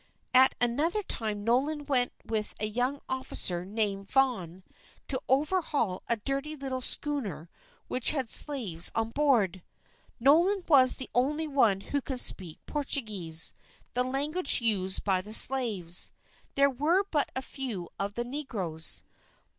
At another time Nolan went with a young officer named Vaughan to overhaul a dirty little schooner which had slaves on board. Nolan was the only one who could speak Portuguese, the language used by the slavers. There were but few of the negroes.